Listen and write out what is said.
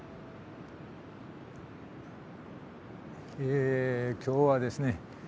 え今日はですね